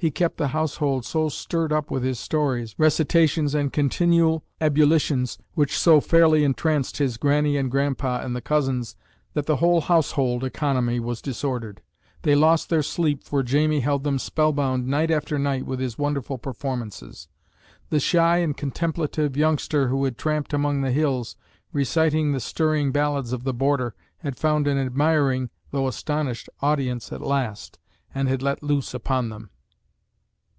He kept the household so stirred up with his stories, recitations and continual ebullitions, which so fairly entranced his Grannie and Grandpa and the cousins, that the whole household economy was disordered. They lost their sleep, for "Jamie" held them spellbound night after night with his wonderful performances. The shy and contemplative youngster who had tramped among the hills, reciting the stirring ballads of the border, had found an admiring tho astonished audience at last, and had let loose upon them.